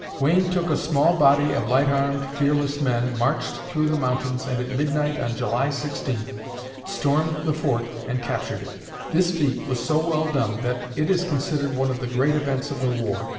Wayne took a small body of light armed, fearless men, marched through the mountains and at midnight on July 16, stormed the fort and captured it. This feat was so well done that it is considered one of the great events of the war.